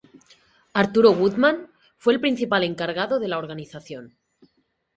Arturo Woodman fue el principal encargado de la organización.